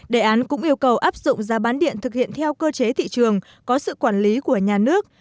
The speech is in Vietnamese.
đề án cũng yêu cầu áp dụng giá bán điện thực hiện theo cơ chế thị trường có sự quản lý của nhà nước